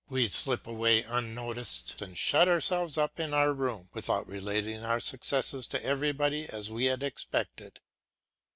We slip away unnoticed and shut ourselves up in our room, without relating our successes to everybody as we had expected.